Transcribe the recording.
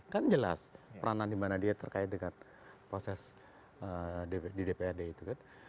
kan jelas peranan di mana dia terkait dengan proses di dprd itu kan